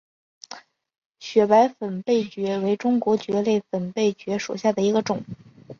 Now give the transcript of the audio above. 雪白粉背蕨为中国蕨科粉背蕨属下的一个种。